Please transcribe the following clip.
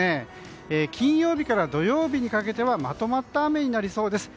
金曜日から土曜日にかけてはまとまった雨になりそうです。